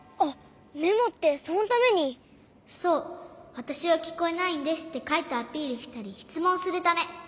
「わたしはきこえないんです」ってかいてアピールしたりしつもんするため。